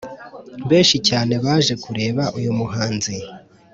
benshi cyane baje kureba uyu muhanzi.